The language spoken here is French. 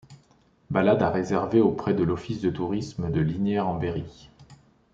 Balade à réserver auprès de l'Office de Tourisme de Lignières-en-Berry.